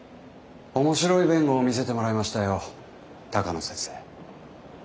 面白い弁護を見せてもらいましたよ鷹野先生。